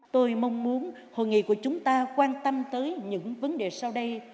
tôi mong muốn hội nghị của chúng ta quan tâm tới những vấn đề sau đây